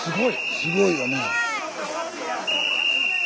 すごいよね。